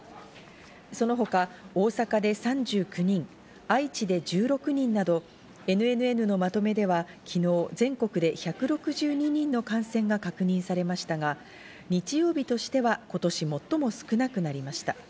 その他、大阪で３９人、愛知で１６人など、ＮＮＮのまとめでは、昨日、全国で１６２人の感染が確認されましたが、日曜日としては今年最も少なくなりました。